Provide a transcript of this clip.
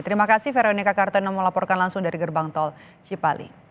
terima kasih veronika kartana melaporkan langsung dari gerbang tol cipali